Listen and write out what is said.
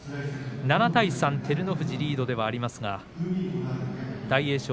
７対３照ノ富士のリードではありますが大栄